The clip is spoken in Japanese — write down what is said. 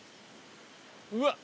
うわっ！